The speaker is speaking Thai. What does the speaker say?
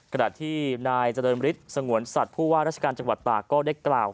ขณะที่นายเจริญฤทธิ์สงวนสัตว์ผู้ว่าราชการจังหวัดตากก็ได้กล่าว